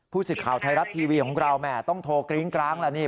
สิทธิ์ข่าวไทยรัฐทีวีของเราแหม่ต้องโทรกริ้งกร้างแล้วนี่